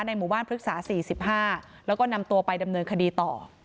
ในหมู่บ้านพฤษาสี่สิบห้าแล้วก็นำตัวไปดำเนินคดีต่อ